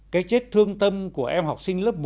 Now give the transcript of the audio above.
cái chết thương tâm của em học sinh lớp một